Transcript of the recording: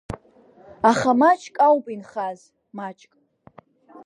Аха маҷк ауп инхаз, маҷк…